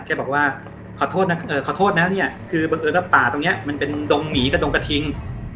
แกบอกว่าขอโทษนะขอโทษนะเนี่ยคือบังเอิญว่าป่าตรงนี้มันเป็นดงหมีกระดงกระทิง